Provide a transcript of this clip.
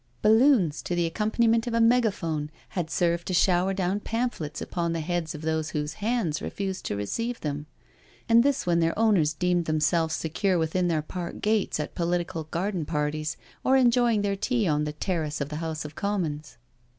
Balloons, to the accompaniment of a megaphone, had served to shower down pamphlets upon the heads of those whose hands refused to receive them, and this when their owners deexped themselves secure within their park gates at political garden parties, or enjoy ing their tea on the Terrace of the House of Commons.